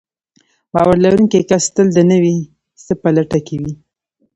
باور لرونکی کس تل د نوي څه په لټه کې وي.